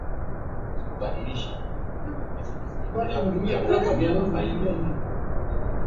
Lakini kama kocha akiwa na timu yake ya Ujerumani